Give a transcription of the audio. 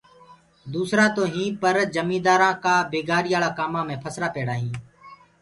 ٻيآ تو هيٚنٚ پر جميدآرآنٚ ڪآ بيگاري ڪآ ڪآمانٚ مي پهسرآ پيڙآ هيٚنٚ۔